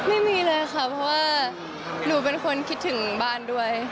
ไม่มีเลยค่ะเพราะว่าหนูเป็นคนคิดถึงบ้านด้วย